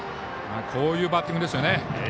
こういうバッティングですよね。